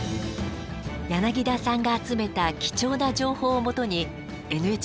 柳田さんが集めた貴重な情報を基にＮＨＫは取材。